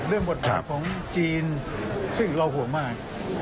เรื่องการบทบาทของจีนซึ่งเราห่วงมาก